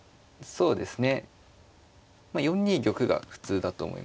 そうですね。